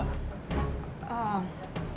kamu mau gak